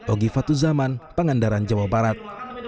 ogi fatuzaman pangandaran jawa barat